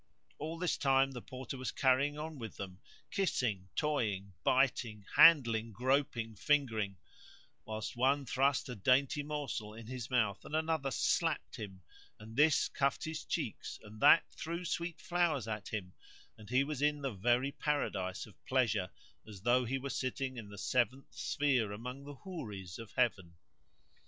All this time the Porter was carrying on with them, kissing, toying, biting, handling, groping, fingering; whilst one thrust a dainty morsel in his mouth, and another slapped him; and this cuffed his cheeks, and that threw sweet flowers at him; and he was in the very paradise of pleasure, as though he were sitting in the seventh sphere among the Houris[FN#157] of Heaven.